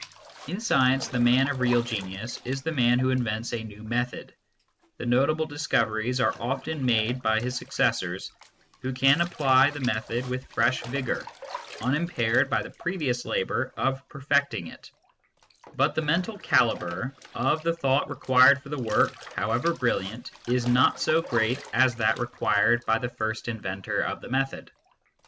In science the man of real genius is the man who invents a new method. The notable discoveries are often made by his successors, who can apply the method with fresh vigour, unimpaired by the previous labour of perfecting it ; but the mental calibre of the thought required for their work, however brilliant, is not so great as that required by the first inventor of the method.